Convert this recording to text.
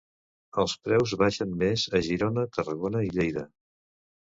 Els preus baixen més a Girona, Tarragona i Lleida.